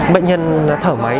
bệnh nhân thở máy